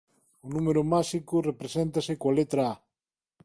O número másico represéntase coa letra A.